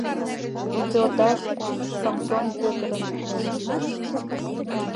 Тиде отар Самсон Пӧтырын ыльыс...